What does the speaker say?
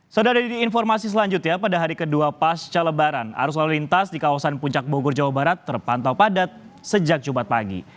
sudah ada di informasi selanjutnya pada hari kedua pasca lebaran arus lalu lintas di kawasan puncak bogor jawa barat terpantau padat sejak jumat pagi